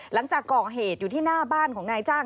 หลังจากก่อเหตุอยู่ที่หน้าบ้านของนายจ้าง